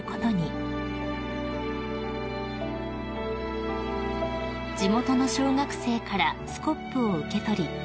［地元の小学生からスコップを受け取り］